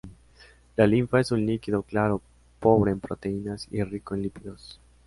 La linfa es un líquido claro pobre en proteínas y rico en lípidos.